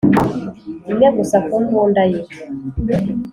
imwe gusa ku mbunda ye